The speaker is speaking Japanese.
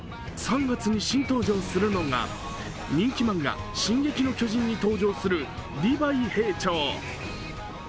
３月に新登場するのが人気漫画「進撃の巨人」に登場するリヴァイ兵長。